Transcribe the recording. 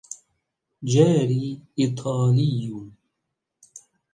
جاري إيطالي.